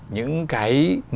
những cái sản phẩm